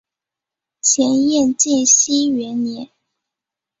前燕建熙元年。